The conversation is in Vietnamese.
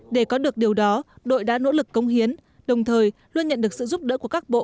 để có được điều đó đội đã nỗ lực công hiến đồng thời luôn nhận được sự giúp đỡ của các bộ